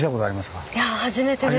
いや初めてです。